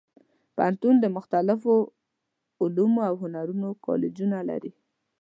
پوهنتون د مختلفو علومو او هنرونو کالجونه لري.